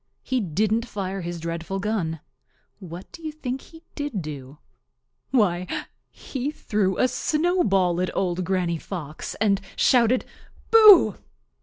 He didn't fire his dreadful gun. What do you think he did do? Why, he threw a snowball at Old Granny Fox and shouted "Boo!"